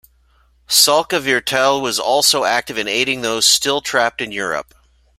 Salka Viertel was also active aiding those still trapped in Europe.